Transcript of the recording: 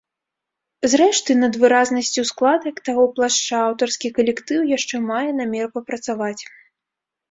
Зрэшты, над выразнасцю складак таго плашча аўтарскі калектыў яшчэ мае намер папрацаваць.